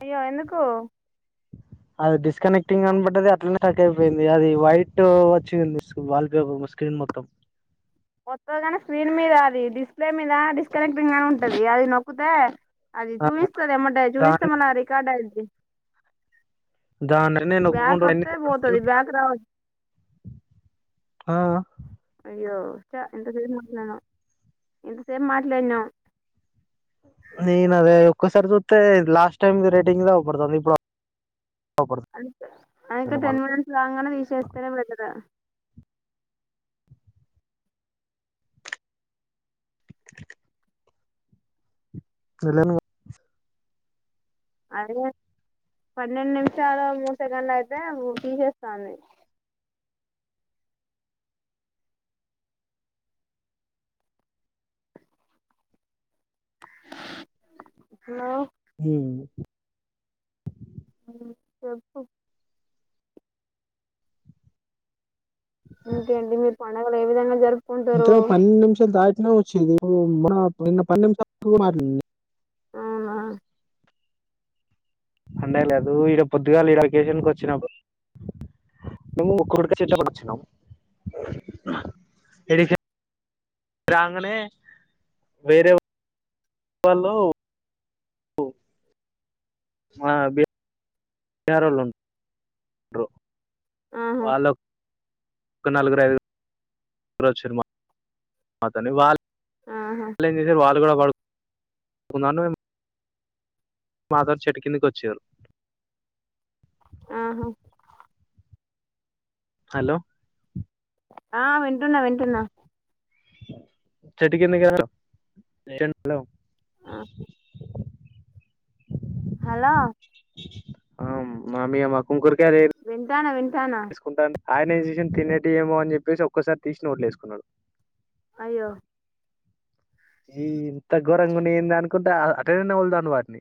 అయ్యో ఎందుకు అది డిస్కనెక్టింగ్ అని బడ్డది అట్లనే కట్ అయిపోయింది అది వైట్ వచ్చింది వాల్ పేపర్ స్క్రీన్ మొత్తం వస్తది కానీ స్క్రీన్ మీద అది డిస్ప్లే మీద డిస్కనెక్టింగ్ అని ఉంటది అది నొక్కితే అది చూపిస్తది ఎమ్మటే చూయిస్తే దాన్ని మల్ల రికార్డ్ అయిద్ధి దాన్నే బ్యాక్ నొక్కుకుంటూ వత్తే పోతది బ్యాక్ [unintelligible] రావద్దు ఆ అయ్యో ఎంత సేపు మాట్లా ఎంతసేపు మాట్లాన్నో నేను అదే ఒక్కసారి జూత్తె లాస్ట్ టైమ్ రేటింగ్ అవపడుతంది ఇప్పుడు అవుపడుతుంది అ ఎ మళ్ళ టెన్ మినిట్స్ రాంగానే తీసేస్తా [unintelligible] వెళనుగా అదే పన్నెండు నిమిషాలు మూడు సెకండ్లు అయితే తీసేస్తాంది హలో హ్మ్ చెప్పు ఇంకేంటి మీరు పండుగలు ఏ విధంగా జరుపు ఇంత పెది నిమిష దాట్న [inaudible] నిమిషాలు మారి అవునా అండే లేదు ఈడ పొద్దుగా ఈడకేషన్ వచ్చినప్పుడు మేము ఒక్కక్కడిక చిపడు వచ్చినము ఈడికే రాంగనే వేరే వాళ్లు ఆ బీహారొళ్ళు డ్రు ఆహా వాలో ఒక నలుగురు ఐదు [unintelligible] మాతోని ఆహా వాళ్ళేం చేసార్ వాళ్ళు గుడా పడు ఉన్నాన్వే మాదర్ చెట్టుకింద కొచ్చిరు ఆహా హలో ఆ వింటున్నా వింటున్నా చెట్టుకిందకా ఆ హలో అ మా మేమా కుంకర్ వింటాన్న విన్ తీసుకుంటంటే ఆయన ఏం చేసిండు తినేటివి ఏమో అని చెప్పేసి ఒక్కసారి తీసి నోట్లో వేసుకున్నాడు అయ్యో ఈ ఇంత ఘోరంగా ఉంది ఏంది అనుకుంటా అట్టనే నములుతాండు ఆటిని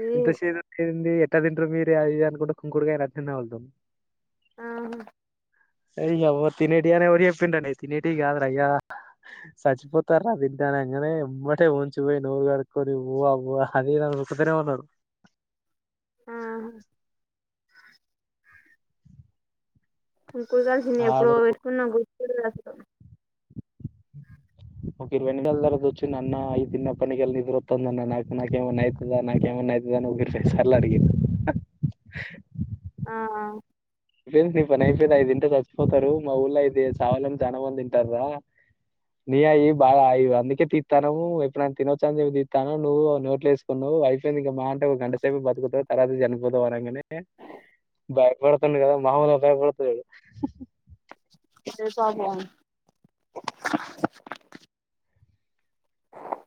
ఇది ఇంత సేదు ఉన్నాయ్ ఏంది ఎట్ట తింటుర్రు మీరు అది ఇది అనుకుంట కుంకుడుగాయని అట్నే నములుతుండు ఆహా నీ అవ్వ తినేటియనే ఎవరు చెప్పిండు అనేసి తినేటి కాదురా అయ్య సచ్చిపో తరా దీనికాని ఎనే ఎమ్మటే ఊంచిపోయి నోరు కడుక్కొని ఉవ్వ ఉవ్వా అని ఉంచుతనే ఉన్నాడు ఆ ఇంక్ ఉంచల్సిందే ఎప్పుడో ఆడు పెట్టుకున్నా ఒక ఇరవై నిమిషాల తర్వాత వచ్చి అన్న ఇవి తిన్న కెళ్ళి నిద్రస్తోందన్న నాకు నాకేమన్నా అయితదా నాకేమన్నా అయితదా అని ఒకటికి రెండుసార్లు అడిగిండు ఆ నీ పని అయిపోయింది ఐయి దింటే చచ్చిపోతారు మా ఊల్లో అయితే చావాలని చాలామంది తింటార్రా నీ అయి బాగా అవి అందుకే తిత్తనావు ఎప్పుడు నను తినొచ్చా అ ఏమి తిస్తాను నువ్వు నోట్లు వేసుకున్నావ్ అయిపోయింది ఇంక మా అంటే ఒక గంట సేపు బతుకుతావు తర్వాత చనిపోతావు అనగంనే భయపడ తన్ గదా మాములుగా బయపడతలేడు చేసాదే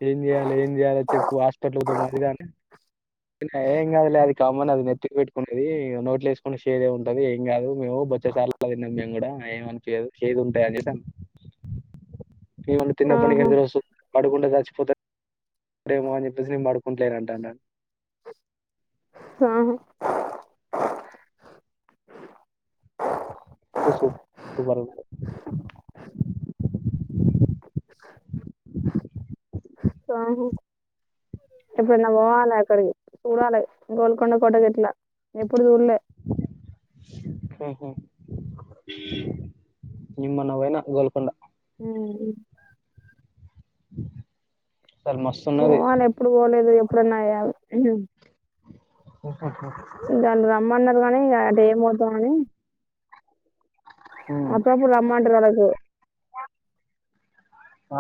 ఏం జేయాలే ఏం జేయాలో చెప్పు హాస్పిటల్ కి పోదాం అది ఇది అనా ఏంగాదులే అది కామన్ అది నెత్తికి పెట్టుకునేది నోట్లో వేసుకుని షేదే ఉంటది ఏం గాదు మేము బొచ్చడు సార్లు తిన్నాం మేము గూడా ఏమ అనిపియ్యదు షేదు ఉంటాయ అనేసి అన్నా ఈవన్నీ తిన్న ఆహా [unintelligible] పడుకుంటే సచ్చిపోతా రేమో అని జెప్పేసి నేను పడుకుంటలేను అంటాండాడు సా సు సూప్ సూపరుండే హ్మ్ హు ఎప్పుడన్నా పోవాలి అక్కడికి చూడాలి గోల్కొండ కోట గిట్లా ఎప్పుడు జూళ్ళే హ్మ్ హు నేను మొన్న పోయినా గోల్కండ హ్మ్ అసలు మస్తున్నది పోవాల ఎప్పుడు పోలేదు ఎప్ ప్రణయాలు, హుహు ఇంగా నన్ రమ్మన్నరు కానీ అంటే ఏం పోతావ్ అని ఉమ్. అప్పురప్పురు రమ్మంట రగు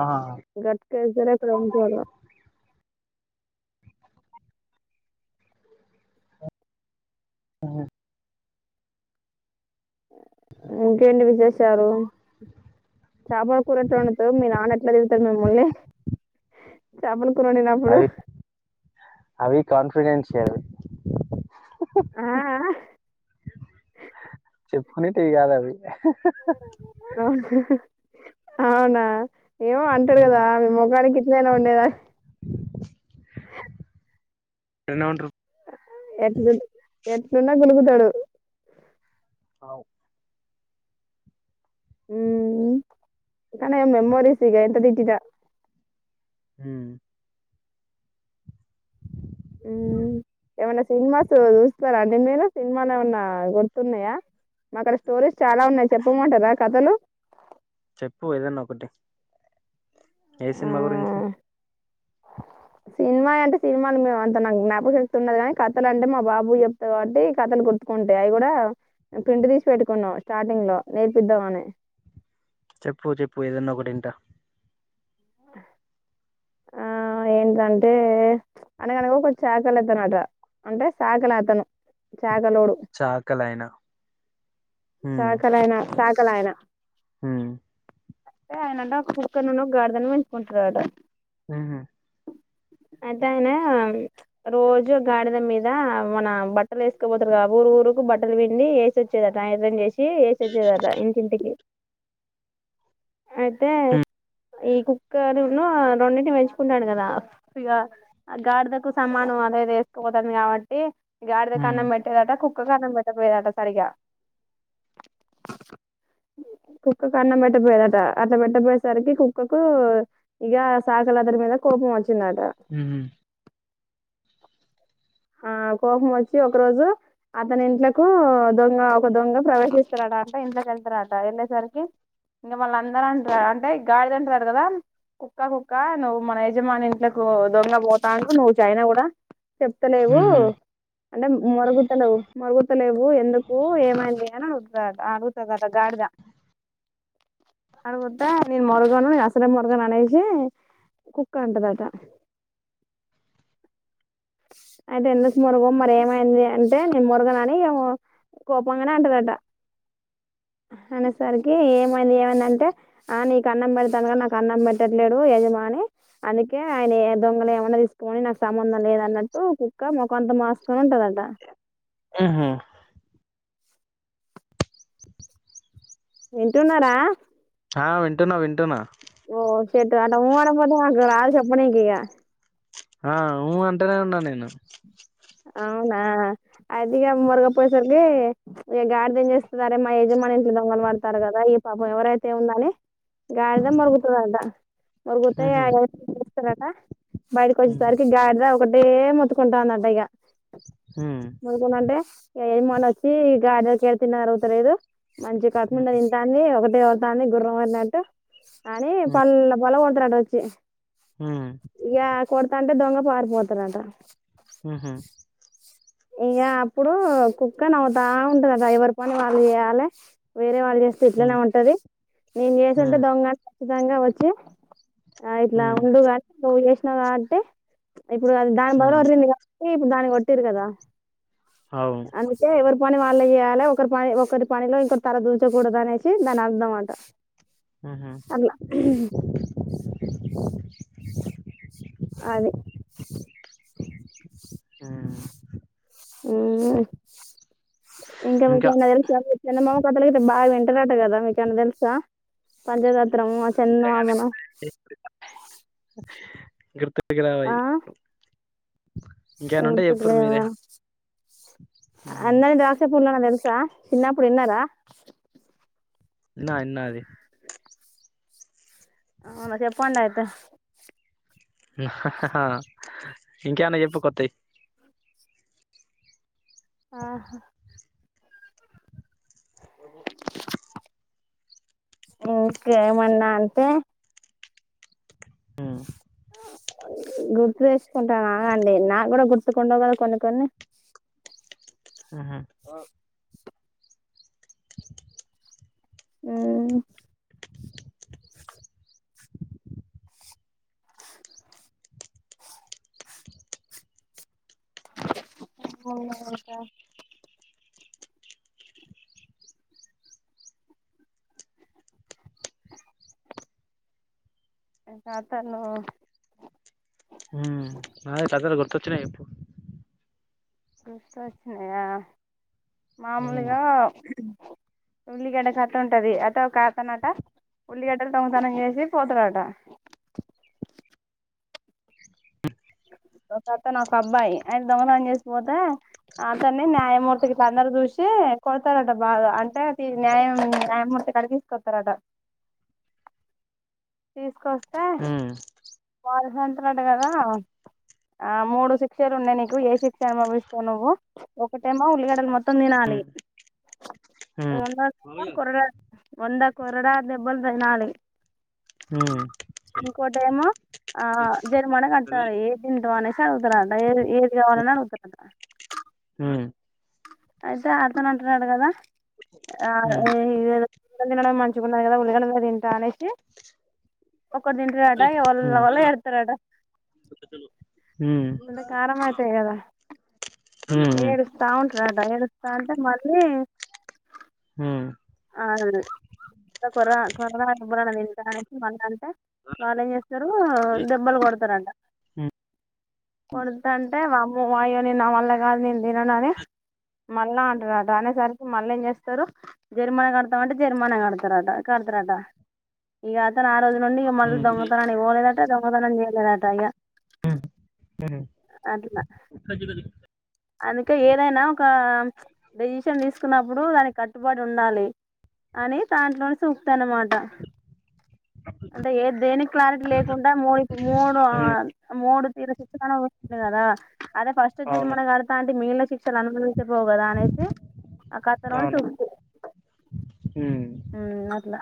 ఆహా. గట్ కె జర [unintelligible] చూల్ల ఆహ ఇంకేంటి విశేషాలు ఎట్ల తింతది మిమ్మల్ని, చేపల్ అవి, అవి కాన్ఫిడెన్స్ సరే ఆ ఆ ఉప్పు నీటివి కాదవి కా [inaudible] అవునా ఏమో అంటాడు ఉమ్. కదా, మీ ముఖానికి ఈట్లెనా ఉండేదన్ నన్నేం అంట్రు ఎంట్లున్ ఎట్ల ఉన్న కులుగుతాడు. అవు ఊహ్మ్, కానీ మెమొరీసిగ ఎంతదిట్టిన ఉ ఊమ్, ఏమన్నా సినిమాసు చూస్తారా అండి మీరు సినిమాల్ ఏమన్నా గుర్తున్నయా మాకడ స్టోరీస్ చాలా ఉన్నాయి, చెప్పమంటారా కథలు చెప్పు ఏదన్నా ఒకటి, ఏ సిన్మా గురించి ఆ సినిమా అంటే సినిమాలు మేము అంత నాకు జ్ఞాపకశక్తి ఉన్నదు కానీ, కథలు అంటే మా బాబు చెప్త కాబట్టి కథలు గుర్తుకుంటాయ్, అవి కూడా ప్రింట్ తీసి పెట్టుకున్నాం స్టార్టింగ్ లో నేర్పిద్దామని చెప్పు చెప్పు ఏదన్నా ఒకటింట ఆహ్ ఆ ఏంటంటే అనగనగ ఒక చాకలతనట, అంటే సాకలతను, చా నలొడు, చాకలైన చాకలైన చ కలయన హు అంటే ఆయనంట ఒక కుక్కనునొ, గాడిదను పెంచుకుంట అట ఉహు అయితే ఆయన, ప్చ్ రోజు గాడిదన్ మీద మన బట్టలు వేసుకోపోతారగ ఊరు ఊరుకు బట్టలు విండి ఏసి వచ్చేదట ఐరన్ చేసి ఏసెచ్చేదట ఇంటి ఇంటికి అయితే ఈ కుక్కరినొ రొండింట్ని పెంచ్ కుంన్నడు కదా, ఇక ఆ గాడిదకు సమానం అదది ఏసుకుపోతాంది కాబట్టి గాడిద ఉమ్ కన్నం మెడ్తె అట కు కుక్కకు అన్నం పెట్టపోయేదట సరిగా కుక్కకు అన్నం పెట్టపోయేదట అట్లా పెట్టపోయేసరికి కుక్కకు ఇగా శ్వాసాలు వాటి మీద కోపం వచ్చిం దట ఉహు ఆ కోపం వోచ్చి ఒక రోజు అతని ఇంట్లకు దొంగ ఒక దొంగ ప్రవేశిస్తారట అంటె ఇంట్లకెళ్తారట వెళ్ళేసరికి ఇంకా మళ్ళ అందరూ అంటరట అంటే కుక్క కుక్క నువ్వు మన యజమాని ఇంట్లకు దొంగ పోతండు నువ్యు చాఅయినా గుడా చెప్పు త లేవు ఉహు అంటే మొరుగుతలేవు మొరుగుతలేవు ఎందుకు ఏమైంది అని అడు దాట అడుగుతదట గాడిద అడుగుతే నేను మొరుగను నే అసలే మొరగను అనేసి కుక్క అంటదట అయితే ఎందుకు మొరగవు మరి ఏమైంది. అంటే నేను మొరగనని ఏమే కోపంగానే అంటదట అనేసరికి ఏమైంది ఏమైంది. అని అంటే ఆ నీకు అన్నం పెడతండు. కదా నాకు అన్నం పెట్టట్లేడు యజమాని అందుకే ఆయనయి దొంగలు ఏమన్నా తీసుకోనిపోని నాకు సంబంధం లేదు అన్నట్టు కుక్క మొఖమంత మాడ్స్ ఉంటదట ఉహు వింటున్నరా హా వింటున్నా వింటున్నా ఓ షెట్ అట ఊ అనకపోతే మాకు రాదు చెప్పనికి ఇగ ఆ ఊ అంటేనే ఉన్నా నేను అవునా అయితిగా మోరగక పోయసరికి ఇగ గాడది ఏం చేస్తది అరె మా యజమాని దొంగలు వాడతరు కదా పాపం ఎవరైతే ఉండాలి గాడిద మోరుగుతదంట మోరిగతే ఉహు అయన వచ్చి చూస్తాడాటా బయటకి ఉ వచ్చేసరికి గాడిద ఒకటే మొత్తుకుంటందట ఇగా ఉ మీకేం అంటే ఏమన్న వోచ్చి ఈ గాడిదకు ఇయ్యాల తిన్నది అరుగుతా లేదు. మంచిగా కడుపునిండా తింటంది ఒకటే దాన్నీ గుర్రం అనీ అంటె అనీ ఉ పల్ల పల్ల కోడ్ త్రా డా చే యా కొడతాంటే దొంగ వారుపోతరు అంట హ్ హు ఇగా అప్పుడు కుక్క నవ్వుతా ఉంటంది ఆట ఎవరి పనులు వాళ్ళు చేయాలి వాళ్ళు చేస్తే ఉ ఇట్లనే ఉంటది. నేను చేసి ఉ ఉంటే దొంగ నిజంగా వచ్చి ఆ ఇట్లా ఉ ఉందువు గాని [unintelligible] నువ్వంటే ఇప్పుడు అది దాని ఉ బదులు ఓర్రిందిగ ఇగ ఇప్పుడు దాన్నీ కొట్టిర్రు గాదా అవు అందుకే ఎవరు పని వాళ్లే జేయాలే ఒకరి పని ఒకరి పనిలో ఇంకరు తల దూర్చకూడదు అనేసి దాని అర్థం అట హ్మ్ హు అట్లా అది హ్మ్ ఇంకా మీ తెలు చిన్న మామ కథకి బాగా వింట అలాట కదా మీకన్నా తెలుసా పంజె ద ఇంకా గానే [unintelligible] గుర్తు గయి ఊతుకులేవా హ్మ్. అంద దాసయ పర్లా సా చిన్నప్పుడు ఎన్నారా నాన్నది అవును చెప్పంయతా ఇంకేనా చెప్పు కొత్తాయి ఆహా ఇంకేమన్నా అంతే గుర్తు తెసుుకుంటానుగండి నాకు కూడా గుర్తుకుండవు కదా కొన్ని కొన్ని క్లి ఆహ ఆ త [unintelligible] అతను హ నాతేాతర గుర్తచ్చిన ఇప్పు కష్ట వచ్చినయా ఉమ్ మాముూలుగా ఉల్లిగడ్డ కట్ట ఉంటది అట్ట ఒకతనట ఉల్లిగడ్డలు దొంగతనం చేసి పోతడట ఒక అతను ఒక అబ్బాయి ఆయన దొంగతనం చేసిపోతే అతన్ని న్యాయమూర్తి ఇట్లా అందరు చూసి కొడతారట బాగా అంటే న్యాయం న్యాయమూర్తి కాడికి తీసుకొస్తారట తీసుకొస్ స్తే ఉమ్ వాలు మన్ మాట్లాడు కదా ఆ మూడు శిక్షలు ఉన్నాయి నీకు ఏ శిక్ష అనుభవిస్తావు నువ్వు ఒకటేమో ఉల్లిగడలు మొత్తం తిన్నాలి ఉమ్ ఉమ్ రెండోదేమో కొరగా వంద కొరడా దెబ్బల్ తినాలి ఉమ్ ఇంకోటేమో ఆ జరిమాన కట్టాలి ఏ తింటం అనే అడుగుతరట ఏ ఏది కావాలన్నాఅడుగుతరట హు అయితే అతను అంటున్నాడు కదా ఆ ఉమ్ ఏ ఉల్ తినడం మంచిగున్నది కదా ఉల్లిగడ్డలు తింటా అనేసి ఒక్కటి తింట దటా వళ హ్మ్ వళ ఏడతార అట హ్మ్ అంత కారంమైతే గద హ్మ్ హ్మ్ ఏడుప్ అట ఏడుత్తంటే మళ్ళీ హు అ ఇను కొర కొరనా అబ ని మ వాళ్ళు చేస్తారు దెబ్బలు కొడతారంట కొడుతుంటే వామ్మ వాయు నే నా వళ్ళ కాదు. నేను తినను అని మళ్ళా అంటారు. అనేసరికి మళ్ళీ ఏం చేస్తారు. జరిమానా కడతాం అంటే జరిమానా కడతారట కడతారట ఈక సారోళ్లు నుండి మళ్లు హ్మ్ దొంగతనానికి పోఓలేద దొంగతనం చేయలేదట ఇగ కదిది అందుకే ఏదైనా ఒకా డెసిషన్ తీసుకున్నప్పుడు దానికి కట్టుబడి ఉండాలి. అని దాంట్లోనే సూ అన్నమాట అంటే ఏ దేనికి క్లారిటీ లేకుండా మూడిప్పుడు మూడు హ్మ్ మూడు తీర శిక్ష ఇట్ల కాదా అదే ఫస్ట్ అవును చెప్పినది కడ్ మీళ శిక్షణ న్ పో కదా అనేసి ఆ కత్తలోని అవును చూపుఊ హ్మ్ అట్లా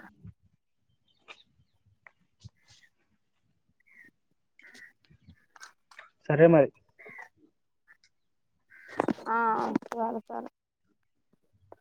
సరే మరి ఆ సరే సరే